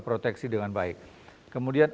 proteksi dengan baik kemudian